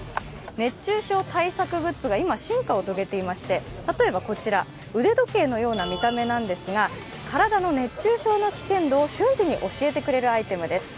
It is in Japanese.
熱中症対策グッズが今、進化を遂げていまして例えばこちら、腕時計のような見た目なんですが体の熱中症の危険度を瞬時に教えてくれるアイテムです。